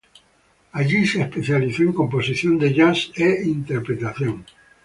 Allí se especializó en composición de jazz e interpretación.